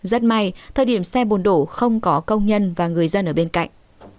rất may thời điểm xe bồn đổ không có công nhân và người dân ở bên cạnh